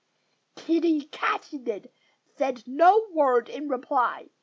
Kiddie Katydid said no word in reply.